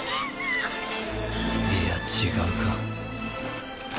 いや違うか。